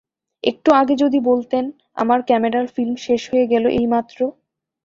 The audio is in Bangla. একটু আগে যদি বলতেন! আমার ক্যামেরার ফিল্ম শেষ হয়ে গেল এইমাত্র!